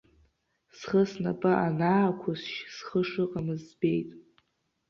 Схы снапы анаақәысшь, схы шыҟамыз збеит.